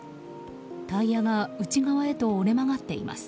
タイヤが内側へと折れ曲がっています。